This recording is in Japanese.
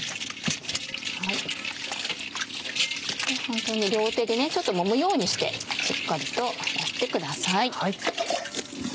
ホントに両手でちょっともむようにしてしっかりと洗ってください。